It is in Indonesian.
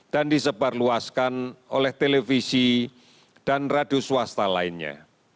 dan disebarluaskan oleh televisi dan radio swasta lainnya